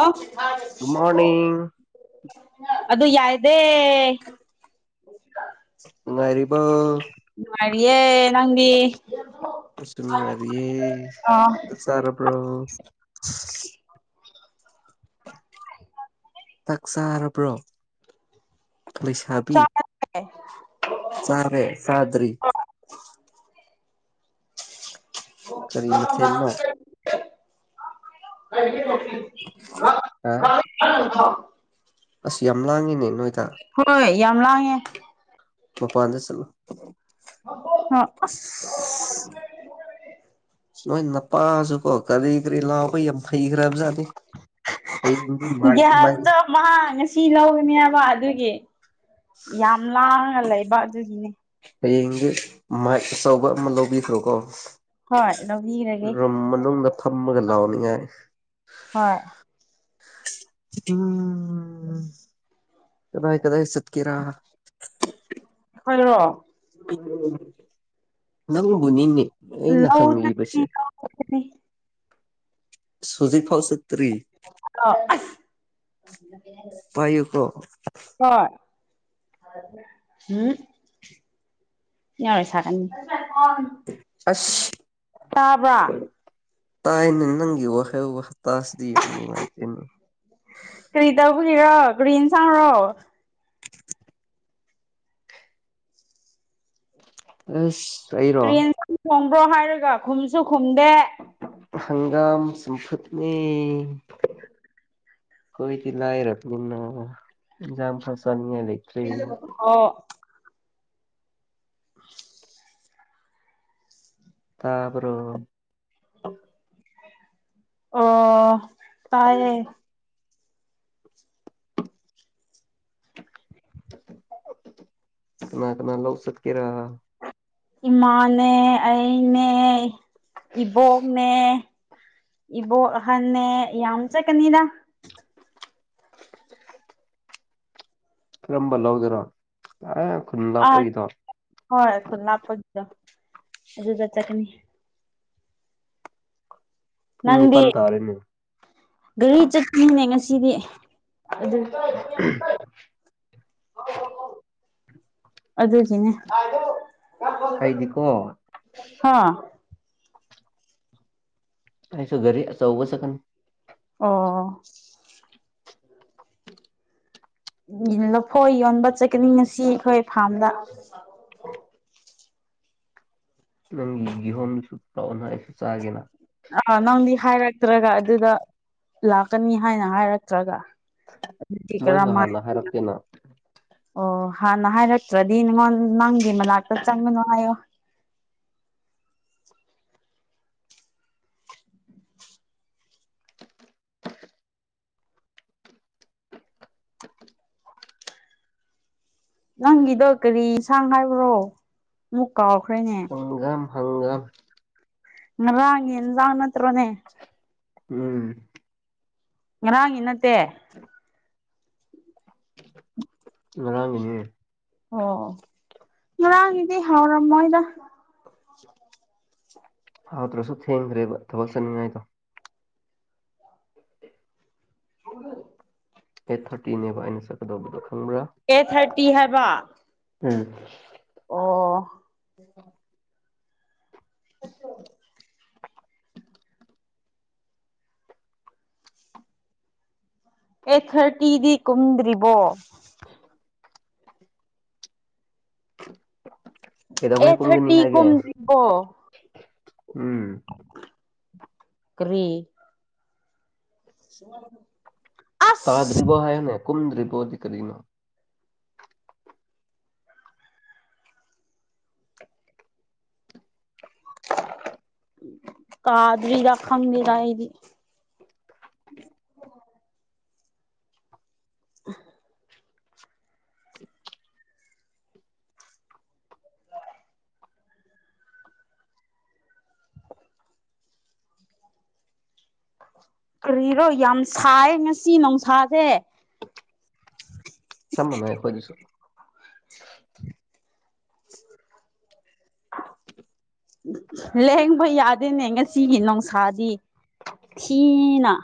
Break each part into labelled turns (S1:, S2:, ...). S1: ꯑꯣ
S2: ꯃꯣꯔꯅꯤꯡ
S1: ꯑꯗꯨ ꯌꯥꯏꯗꯦ
S2: [inaudible] ꯉ ꯉꯥꯏꯔꯤꯔꯤꯕ
S1: ꯃꯥꯑꯦ ꯅꯪꯗꯤ
S2: [unintelligible]
S1: ꯑꯣ
S2: ꯆꯥꯛ ꯆꯥꯔꯕ꯭ꯔꯣ
S1: [unintelligible]
S2: ꯆꯥꯛ ꯆꯥꯔꯕ꯭ꯔꯣ ꯂꯩꯁꯥꯕꯤ
S1: ꯍ
S2: ꯁꯥꯕꯦ ꯁꯥꯗ꯭ꯔꯤ ꯀꯔꯤ ꯃꯊꯦꯜꯅꯣ
S1: ꯀꯂꯤ
S2: ꯍꯥ ꯑꯁ ꯌꯥꯝ ꯂꯥꯡꯉꯤꯅꯦ ꯅꯣꯏꯗ
S1: ꯍꯣꯏ ꯌꯥꯝ ꯂꯥꯡꯉꯦ
S2: ꯃꯄꯥꯟꯗ ꯆꯂꯣ
S1: ꯑ ꯑ
S2: ꯅꯣꯏ ꯅꯄꯥꯁꯨ ꯀꯣ ꯀꯔꯤ ꯀꯔꯤ ꯂꯥꯎꯕ ꯌꯥꯝ ꯍꯩꯈ꯭ꯔꯕ ꯖꯥꯠꯅꯤ
S1: ꯒ꯭ꯌꯥꯁꯇꯣ ꯃꯍꯥꯛ ꯉꯁꯤ ꯂꯧꯧꯕꯅꯦꯕ ꯑꯗꯨꯒꯤ ꯌꯥꯝ ꯂꯥꯡꯉ ꯂꯩꯕ ꯑꯗꯨꯒꯤꯅꯦ
S2: ꯍꯌꯦꯡꯗꯤ ꯃꯥꯏ ꯑꯆꯧꯕ ꯑꯃ ꯂꯧꯕꯤꯈ꯭ꯔꯣꯀꯣ
S1: ꯍꯣꯏ ꯂꯧꯕꯤꯔꯒꯦ
S2: ꯔꯨꯝ ꯃꯅꯨꯡꯗ ꯊꯝꯃꯒ ꯂꯥꯛꯑꯣꯅꯤꯉꯥꯏ
S1: ꯍꯣꯏ
S2: ꯎꯝ ꯀꯗꯥꯏ ꯀꯗꯥꯏ ꯁꯠꯀꯤꯔꯥ
S1: ꯍꯔꯣ
S2: ꯅꯪꯕꯨꯅꯤꯅꯦ ꯑꯩꯅ ꯍꯪꯂꯤꯕꯁꯦ
S1: ꯎꯅꯤ
S2: ꯁꯨꯖꯤ ꯐꯥꯎꯁꯤ ꯇ꯭ꯔꯤ
S1: ꯑꯣ ꯑꯁ
S2: ꯄꯥꯏꯌꯨꯀꯣ
S1: ꯀꯥꯏ ꯎꯝ ꯌꯥꯔꯣꯏ ꯁꯥꯀꯅꯤ
S2: ꯑꯁ ꯇꯥꯥꯏꯅꯦ ꯅꯪꯒꯤ ꯋꯥꯈꯜ ꯋꯥꯍꯇꯥꯁꯤꯗꯤ ꯌꯥꯝꯅ ꯅꯨꯡꯉꯥꯏꯇꯦꯅꯦ
S1: ꯀꯔꯤ ꯇꯧꯕꯒꯤꯔꯣ ꯀꯔꯤ ꯏꯟꯁꯥꯡꯔꯣ
S2: [inaudible] ꯑꯦꯁ ꯑꯩꯔꯣ
S1: ꯀꯔꯤ ꯌꯦꯟꯁꯥꯡ ꯊꯣꯡꯕ꯭ꯔꯣ ꯍꯥꯏꯔꯒ ꯈꯨꯝꯁꯨ ꯈꯨꯝꯗꯦ
S2: ꯍꯪꯒꯥꯝ ꯆꯝꯐꯨꯠꯅꯦ ꯈꯣꯏꯗꯤ ꯂꯥꯏꯔꯕꯅꯤꯅ ꯏꯟꯖꯥꯡꯐꯥꯎ ꯆꯥꯅꯤꯡꯉꯥꯏ ꯂꯩ
S1: ꯑꯣ [inaudible]
S2: ꯇꯥꯕ꯭ꯔꯣ
S1: ꯑꯣ ꯇꯥꯏꯌꯦ
S2: ꯀꯅꯥ ꯀꯅꯥ ꯂꯧ ꯆꯠꯀꯦꯔꯥ
S1: ꯏꯃꯥꯅꯦ ꯑꯩꯅꯦ ꯏꯕꯣꯛꯅꯦ ꯏꯕꯣꯛ ꯑꯍꯟꯅꯦ ꯌꯥꯝ ꯆꯠꯀꯅꯤꯗ
S2: ꯀꯔꯝꯕ ꯂꯧꯗꯨꯔꯣ ꯑꯦ ꯈꯨꯟ
S1: ꯑꯥ
S2: ꯂꯥꯞꯄꯒꯤꯗꯣ
S1: ꯍꯣꯏ ꯈꯨꯟꯂꯥꯛꯄꯒꯤꯗꯣ ꯑꯗꯨꯗ ꯆꯠꯀꯅꯤ
S2: ꯄꯨꯡ
S1: ꯅꯪꯗꯤ
S2: ꯅꯤꯄꯥꯟ ꯇꯥꯔꯦꯅꯦ
S1: ꯒꯥꯔꯤ ꯆꯠꯈꯤꯅꯤꯅꯦ ꯉꯁꯤꯗꯤ ꯑꯗꯨ ꯑꯗꯨꯒꯤꯅꯦ [inaudible]
S2: ꯑꯩꯗꯤꯀꯣ
S1: ꯍꯥꯥ
S2: ꯑꯩꯁꯨ ꯒꯔꯤ ꯑꯆꯧꯕ ꯆꯠꯀꯅꯤ
S1: ꯑꯣ ꯂꯐꯣꯏ ꯌꯣꯟꯕ ꯆꯠꯀꯅꯤ ꯉꯁꯤ ꯑꯩꯈꯣꯏ ꯐꯥꯝꯗ
S2: ꯎꯝ ꯅꯪꯒꯤ ꯒꯤꯍꯣꯝꯗꯨꯁꯨ ꯄꯨꯔꯛꯎꯅ ꯑꯩꯁꯨ ꯆꯥꯒꯦꯅ
S1: ꯑꯥ ꯅꯪꯗꯤ ꯍꯥꯏꯔꯛꯇ꯭ꯔꯒ ꯑꯗꯨꯗ ꯂꯥꯛꯀꯅꯤ ꯍꯥꯏꯅ ꯍꯥꯏꯔꯛꯇ꯭ꯔꯒ ꯑꯗꯨꯒꯤ
S2: ꯃꯣꯏꯁꯨ
S1: ꯀꯔꯃꯥꯏꯅ
S2: ꯍꯥꯟꯅ
S1: ꯑꯗꯨꯗ
S2: ꯍꯥꯏꯔꯛꯇꯦꯅ
S1: ꯑꯣ ꯍꯥꯟꯅ ꯍꯥꯏꯔꯛꯇ꯭ꯔꯗꯤ ꯅꯪ ꯅꯪꯒꯤ ꯃꯅꯥꯛꯇ ꯆꯪꯒꯅꯨ ꯍꯥꯏꯌꯣ ꯅꯪꯒꯤꯗꯣ ꯀꯔꯤ ꯏꯟꯁꯥꯡ ꯍꯥꯏꯕ꯭ꯔꯣ ꯑꯃꯨꯛ ꯀꯥꯎꯈ꯭ꯔꯦ
S2: ꯐꯪꯒꯥꯝ ꯍꯪꯒꯥꯝ
S1: ꯉꯔꯥꯡꯒꯤ ꯏꯟꯖꯥꯡ ꯅꯠꯇ꯭ꯔꯣꯅꯦ
S2: ꯎꯝ
S1: ꯉꯔꯥꯡꯒꯤ ꯅꯠꯇꯦ
S2: ꯉꯔꯥꯡꯒꯤꯅꯦ
S1: ꯑꯣ ꯉꯔꯥꯡꯒꯤꯗꯤ ꯍꯥꯎꯔꯝꯃꯣꯏꯗ
S2: ꯍꯥꯎꯇ꯭ꯔꯁꯨ ꯊꯦꯡꯒ꯭ꯔꯦꯕ ꯊꯕꯛ ꯆꯠꯅꯉꯥꯏꯗꯣ
S1: ꯑꯒꯨ
S2: ꯑꯩꯠ ꯊꯥꯔꯇꯤꯅꯦꯕ ꯑꯩꯅ ꯆꯠꯀꯗꯧꯕꯗꯣ ꯈꯪꯕ꯭ꯔꯥ
S1: ꯑꯦꯠ ꯊꯥꯔꯇꯤ ꯍꯥꯏꯕ
S2: ꯎꯝ
S1: ꯑꯣ
S2: [inaudible]
S1: [unintelligible] ꯑꯩꯠ ꯊꯥꯔꯇꯤꯗꯤ ꯀꯨꯝꯗ꯭ꯔꯤꯕꯣ
S2: ꯑꯦꯗ
S1: ꯑꯦꯠ
S2: ꯀꯒꯤꯅꯤ
S1: ꯊꯥꯔꯇꯤ
S2: ꯍꯥꯏꯒꯦ
S1: ꯀꯨꯝꯗ꯭ꯔꯤꯕꯣ
S2: ꯎꯝ
S1: ꯀꯔꯤ ꯁꯃꯥꯡ
S2: ꯇꯥ ꯗ꯭ꯔꯤꯔꯤꯕꯣ ꯍꯥꯏꯅꯦ ꯀꯨꯟ ꯗ꯭ꯔꯤꯔꯤꯕꯣꯗꯤ ꯀꯔꯤꯅꯣ
S1: ꯀꯥꯗꯔꯤ ꯔꯈꯪꯒꯤ ꯔꯏꯗꯤ [inaudible] ꯀꯔꯤꯔꯣ ꯌꯥꯝ ꯁꯥꯏ ꯉꯁꯤ ꯅꯨꯡꯁꯥꯁꯦ
S2: ꯁꯃꯟ ꯈꯣꯏꯁꯨ
S1: ꯂꯍꯦꯡꯕ ꯌꯥꯗꯦꯅꯦ ꯉꯁꯤꯒꯤ ꯅꯨꯡꯁꯥꯗꯤ ꯊꯤꯅ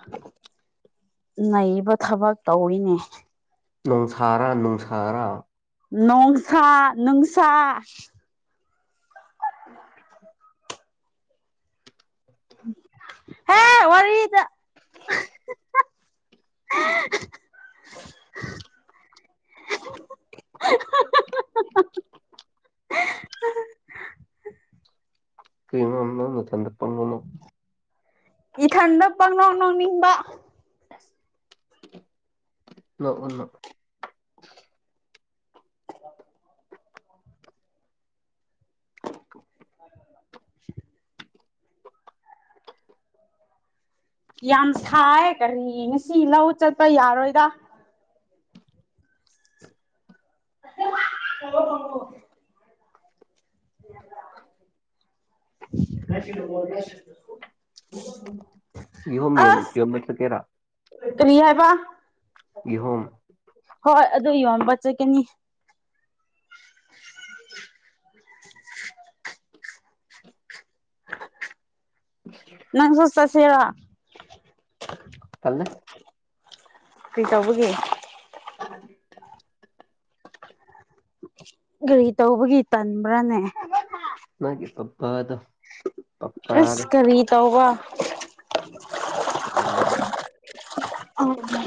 S1: ꯅꯩꯕ ꯊꯕꯛ ꯇꯧꯔꯤꯅꯦ
S2: ꯅꯨꯡꯁꯥꯔꯥ ꯅꯨꯡꯁꯥꯔꯥ
S1: ꯅꯣꯡꯁꯥ ꯅꯨꯡꯁꯥ ꯎꯝ ꯍꯦ ꯋꯥꯔꯤꯗ
S2: [unintelligible] ꯀ꯭ꯣ ꯇ ꯄ
S1: ꯏꯊꯟꯗ ꯄꯪꯅꯧ ꯅꯧꯅꯤꯡꯕ
S2: ꯅ ꯎꯅ
S1: ꯑ [unintelligible] ꯌꯥꯝ ꯁꯥꯏ ꯀꯔꯤ ꯉꯁꯤ ꯂꯧ ꯆꯠꯄ ꯌꯥꯔꯣꯏꯗ ꯍ ꯍꯣ
S2: ꯑ
S1: [unintelligible]
S2: ꯌꯍꯝ ꯌ ꯌꯁꯣ ꯇꯦꯔꯥ
S1: ꯀꯅꯤ ꯍꯥꯏꯕ
S2: ꯍꯨꯝ
S1: ꯍꯣꯏ ꯑꯗꯨ ꯌꯣꯟꯕ ꯆꯠꯀꯅꯤ
S2: ꯎ
S1: ꯅꯪ ꯁꯣꯁ ꯁꯦꯕ
S2: ꯐꯜꯅꯦ
S1: ꯀꯩꯆꯧꯕꯒꯦ
S2: ꯑꯗꯨ
S1: ꯒꯥꯔꯤ ꯇꯧꯕꯒꯤ ꯇꯟꯕ꯭ꯔꯅꯦ
S2: ꯃꯥꯒꯤ ꯄꯄꯗ
S1: ꯑꯦꯀꯔꯤ ꯇꯧꯕ
S2: ꯑꯗꯦꯕ
S1: ꯑꯣ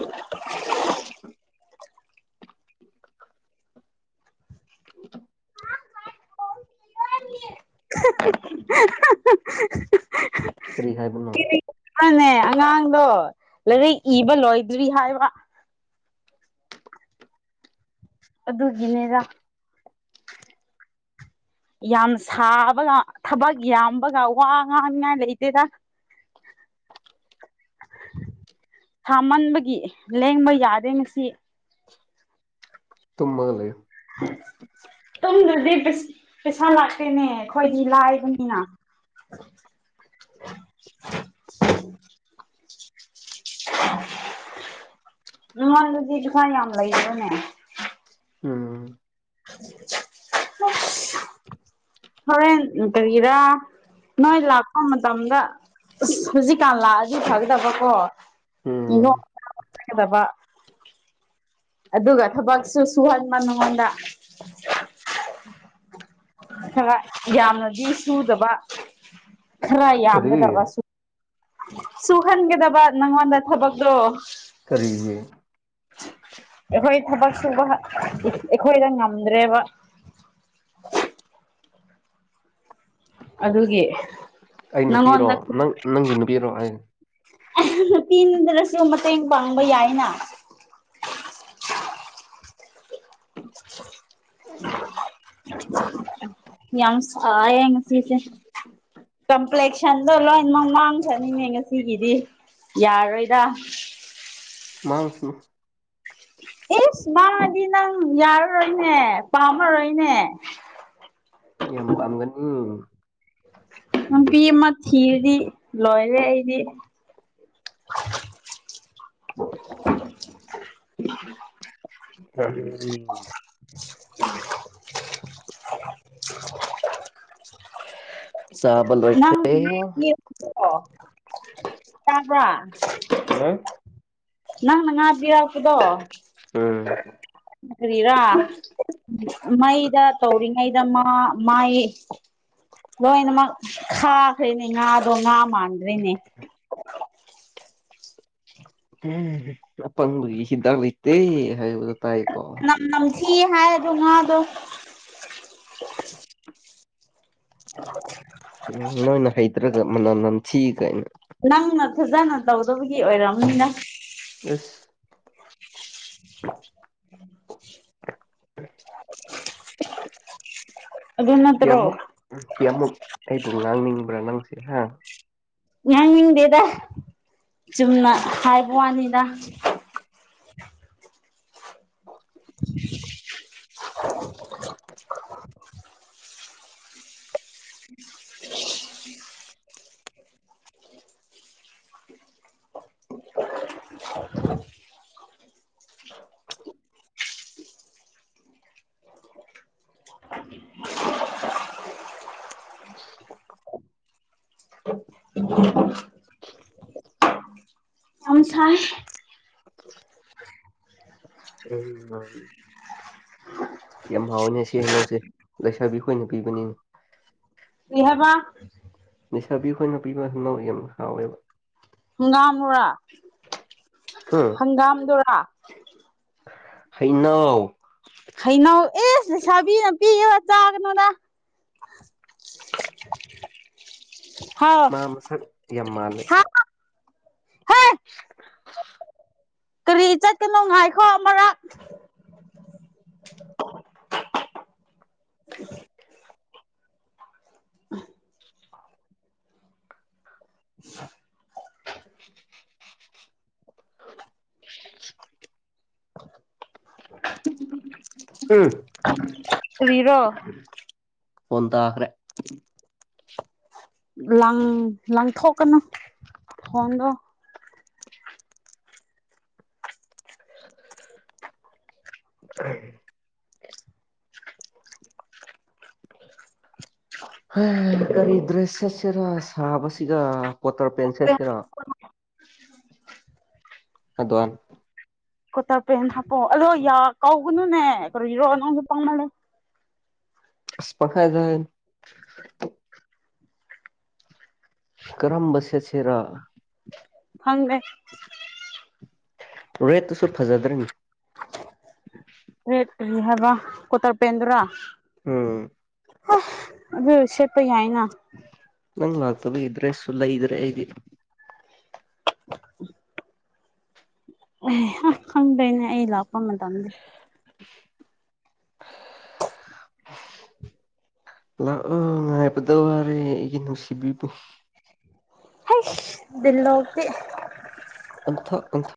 S2: [unintelligible] ꯎ
S1: [unintelligible]
S2: ꯀꯔꯤ ꯍꯥꯏꯕꯅꯣ
S1: ꯃꯥꯅꯦ ꯑꯉꯥꯡꯗꯣ ꯂꯥꯏꯔꯤꯛ ꯏꯕ ꯂꯣꯏꯗ꯭ꯔꯤ ꯍꯥꯏꯕ ꯑꯗꯨꯒꯤꯅꯦꯦꯔ ꯌꯥꯝ ꯁꯥꯕꯒ ꯊꯕꯛ ꯌꯥꯝꯕꯒ ꯋꯥ ꯉꯥꯡꯅꯤꯉꯥꯏ ꯂꯩꯇꯦꯗ
S2: [unintelligible]
S1: ꯊꯥꯃꯟꯕꯒꯤ ꯂꯦꯡꯕ ꯌꯥꯗꯣꯏ ꯉꯁꯤ
S2: ꯇꯨꯝꯃ ꯂꯩ
S1: ꯇꯨꯡꯗꯗꯤ ꯄꯩꯁꯥ ꯂꯥꯛꯇꯦꯅꯦ ꯑꯩꯈꯣꯏꯗꯤ ꯂꯥꯏꯕꯅꯤꯅ ꯃꯜꯖꯤꯗꯨ ꯐ ꯌꯥꯝ ꯌꯥꯝ ꯂꯩꯔꯅꯦ
S2: ꯎꯝ
S1: [unintelligible]
S2: [unintelligible]
S1: ꯍꯣꯔꯦꯟ ꯀꯔꯤꯒꯤꯔꯥ ꯅꯣꯏ ꯂꯥꯛꯄ ꯃꯇꯝꯗ ꯑꯁ ꯍꯧꯖꯤꯛꯀꯥꯟ ꯂꯥꯛꯑꯁꯨ ꯐꯒꯗꯕꯀꯣ
S2: ꯑꯣ
S1: ꯒꯗꯕ ꯑꯗꯨꯒ ꯊꯕꯛꯁꯨ ꯁꯨꯍꯟꯕꯉꯣꯟꯗ ꯈ ꯌꯥꯝꯅꯗꯤ ꯁꯨꯗꯕ ꯈ
S2: ꯀꯔꯤ
S1: ꯌꯥꯝꯅꯗꯔꯕꯥ ꯁ ꯁꯨꯍꯟꯒꯗꯕ ꯅꯪꯉꯣꯟꯗ ꯊꯕꯛꯇꯣ
S2: ꯀꯔꯤ
S1: ꯑꯩꯈꯣꯏ ꯊꯕꯛ ꯁꯨꯕ ꯑꯩꯈꯣꯏꯗ ꯉꯝꯗ꯭ꯔꯦꯕ ꯑꯗꯨꯒꯤ
S2: ꯑꯩ ꯅꯨꯄꯤꯔꯣ
S1: ꯅꯪꯉꯣꯟꯗ
S2: ꯅꯪ ꯅꯪꯒꯤ ꯅꯨꯄꯤꯔꯣ ꯑꯩ
S1: ꯑ ꯇꯤꯟꯗ꯭ꯔꯁꯨ ꯃꯇꯦꯡ ꯄꯥꯡꯕ ꯌꯥꯏꯅ
S2: ꯎꯝ
S1: [unintelligible] ꯌꯥꯝ ꯁ ꯌꯦꯁꯤꯁꯦ ꯀꯝꯄ꯭ꯂꯦꯛꯁꯟꯗꯣ ꯂꯣꯏꯅꯃꯛ ꯃꯥꯡꯈ꯭ꯔꯅꯤꯉ ꯉꯁꯤꯒꯤꯗꯤ ꯌꯥꯔꯣꯏꯗ
S2: ꯃꯥꯥꯡꯁꯨ
S1: ꯑꯦꯁ ꯃꯥꯗꯤ ꯅꯪ ꯌꯥꯔꯔꯣꯏꯅꯦ ꯄꯥꯝꯃꯔꯣꯏꯅꯦ
S2: ꯌꯥꯝ ꯄꯥꯝꯒꯅꯤ
S1: ꯅꯨꯄꯤ ꯑꯃ ꯊꯤꯔꯗꯤ ꯂꯣꯏꯔꯦ ꯑꯩꯗꯤ
S2: ꯐ ꯎꯝ ꯆꯥꯕꯜ
S1: ꯅꯪꯣ ꯇꯥꯕ ꯅꯪꯅ ꯉꯥꯕꯤꯔꯥꯛꯄꯗꯣ
S2: ꯎꯝ
S1: ꯍꯥꯏ꯭ꯔꯤꯔꯥ ꯃꯩꯗ ꯇꯧꯔꯤꯉꯩꯗ ꯃꯥ ꯃꯥꯏ ꯂꯣꯏꯅꯃꯛ ꯈꯥꯈ꯭ꯔꯔꯤꯅꯦ ꯉꯥꯗꯣ ꯉꯥ ꯃꯥꯟꯗ꯭ꯔꯤꯅꯦ
S2: ꯎ ꯎꯝ ꯑꯄꯪꯕꯒꯤ ꯍꯤꯗꯥꯛ ꯂꯩꯇꯦ ꯍꯥꯏꯕꯗꯣ ꯇꯥꯏꯀꯣ
S1: ꯅꯝꯊꯤꯑ ꯍꯥꯏ ꯑꯗꯨ ꯉꯥꯗꯣ
S2: ꯎꯝ ꯅꯣꯏꯅ ꯍꯩꯇ꯭ꯔꯒ ꯃꯅꯝ ꯅ ꯊꯤ ꯀꯥꯏꯅ
S1: ꯅꯪꯅ ꯐꯖꯅ ꯇꯧꯗꯕꯒꯤ ꯑꯣꯏꯔꯝꯅꯤꯅ
S2: ꯑꯁ
S1: ꯑꯗꯨ ꯅꯠꯇ꯭ꯔꯣ
S2: ꯀꯃꯨꯛ ꯁꯤ ꯑꯃꯨꯛ ꯑꯩꯕꯨ ꯉꯥꯡꯅꯤꯡꯕ꯭ꯔꯥ ꯅꯪꯁꯦ ꯍꯥ
S1: ꯉꯥꯡꯅꯤꯡꯗꯦꯗ ꯆꯨꯝꯅ ꯍꯥꯏꯕ ꯋꯥꯅꯤꯗ
S2: ꯑ
S1: ꯑꯣꯟꯁꯥꯡ
S2: ꯎ ꯌꯥꯝ ꯍꯥꯎꯋꯅꯦ ꯁꯤ ꯍꯩꯅꯎꯁꯦ ꯂꯩꯁꯥꯕꯤ ꯑꯩꯈꯣꯏꯅ ꯄꯤꯕꯅꯤꯅ
S1: ꯀꯔꯤ ꯍꯥꯏꯕ꯫
S2: ꯅꯤꯁꯥꯕꯤꯈꯣꯏꯅ ꯄꯤꯕ ꯀꯩꯅꯣ ꯌꯥꯝ ꯍꯥꯎꯋꯦꯕ꯫
S1: ꯅꯨꯒꯥꯝꯣꯔꯥ ꯍꯪꯒꯥꯝꯗꯨꯔꯥ꯫
S2: ꯍꯩꯅꯧ꯫
S1: ꯍꯩꯅꯧ ꯑꯦꯁ ꯂꯩꯁꯥꯕꯤꯅ ꯄꯤꯒ ꯆꯥꯒꯅꯣꯗ꯫
S2: [inaudible]
S1: ꯍꯥꯎ꯫
S2: ꯃꯥ ꯃꯁꯛ ꯌꯥꯝ ꯃꯥꯜꯂꯦ
S1: ꯍꯦ
S2: [unintelligible]
S1: ꯀꯔꯤ ꯆꯠꯀꯅꯣ ꯉꯥꯏꯈꯣ ꯑꯃꯔꯥꯛ
S2: [inaudible] [inaudible] ꯎꯝ
S1: ꯀꯔꯤꯔꯣ
S2: ꯐꯣꯟꯍ ꯇꯈ꯭ꯔꯦ꯫
S1: ꯂꯪ ꯂꯪꯊꯣꯛꯀꯅꯨ ꯐꯣꯟꯗꯣ꯫
S2: [unintelligible] [unintelligible] ꯍ ꯀꯔꯤ ꯗ꯭ꯔꯦꯁ ꯁꯦꯠꯁꯤꯔ ꯁꯥꯕꯁꯤꯒ ꯀ꯭ꯣꯇꯔ ꯄꯦꯟ ꯁꯦꯠꯁꯤꯔꯣ꯫ ꯑꯗꯨꯛ ꯌꯝ
S1: ꯀꯣꯇꯥꯔ ꯄꯦꯟ ꯍꯥꯞꯄꯛꯑꯣ ꯑꯗꯣ ꯌꯥ ꯀꯧꯒꯅꯨꯅꯦ ꯀꯣ ꯏꯔꯣ ꯅꯪꯁꯨ ꯄꯥꯡꯃꯜꯂꯦ
S2: ꯑꯁ ꯄꯔꯥꯏꯖꯦ ꯀꯔꯝꯕ ꯁꯦꯠꯁꯤꯔ
S1: ꯈꯪꯗꯦ
S2: ꯔꯦꯠꯇꯨꯁꯨ ꯐꯖꯗ꯭ꯔꯅꯤ
S1: ꯔꯦꯠ ꯀꯔꯤ ꯍꯥꯏꯕ ꯀꯣꯇꯔ ꯄꯦꯟꯗꯨꯔꯥ꯫
S2: ꯎꯝ
S1: ꯑꯗꯨ ꯁꯦꯠꯄ ꯌꯥꯏꯅ
S2: ꯅꯪ ꯂꯥꯛꯇꯕ ꯗꯔꯦꯁ ꯁꯨꯂꯩꯗꯔꯦ ꯑꯩꯗꯤ
S1: [inaudible] ꯑꯦ ꯈꯪꯗꯣꯏꯅꯦ ꯑꯩ ꯂꯥꯛꯄ ꯃꯇꯝꯗ
S2: [unintelligible] ꯂꯥꯛꯑꯣ ꯉꯥꯏꯕꯗ ꯋꯥꯔꯦ ꯑꯩꯒꯤ ꯅꯨꯡꯁꯤꯕꯤꯕꯨ꯫
S1: ꯍꯩꯁ ꯗꯥꯏꯂꯣꯇꯤ
S2: ꯑꯊ ꯑꯊ